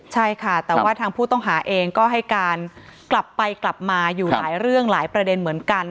ใช่ค่ะแต่ว่าทางผู้ต้องหาเองก็ให้การกลับไปกลับมาอยู่หลายเรื่องหลายประเด็นเหมือนกัน